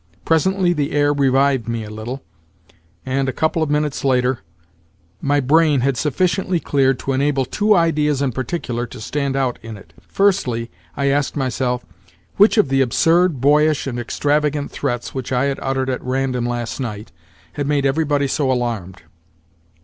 Presently the air revived me a little, and, a couple of minutes later, my brain had sufficiently cleared to enable two ideas in particular to stand out in it. Firstly, I asked myself, which of the absurd, boyish, and extravagant threats which I had uttered at random last night had made everybody so alarmed?